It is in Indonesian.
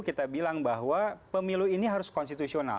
kita bilang bahwa pemilu ini harus konstitusional